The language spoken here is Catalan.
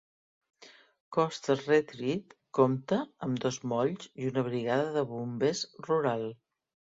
Coasters Retreat compta amb dos molls i una brigada de bombers rural.